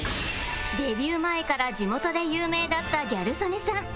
デビュー前から地元で有名だったギャル曽根さん